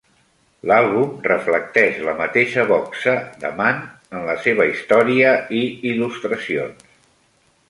L'àlbum reflecteix la mateixa boxa de Mann en la seva història i il·lustracions.